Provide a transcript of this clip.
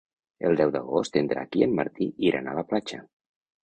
El deu d'agost en Drac i en Martí iran a la platja.